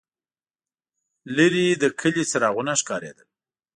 لرې د کلي څراغونه ښکارېدل.